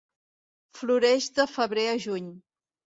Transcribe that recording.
Floreix de febrer a juny.